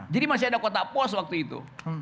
jadi masih ada kotak pos waktu itu